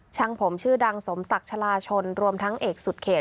ช่างผมชื่อดังสมศักดิ์ชะลาชนรวมทั้งเอกสุดเขต